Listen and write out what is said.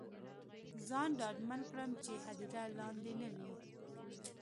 ځان ډاډمن کړم چې هدیره لاندې نه وي.